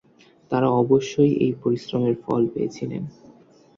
তাঁরা অবশ্য এই পরিশ্রমের ফল পেয়েছিলেন।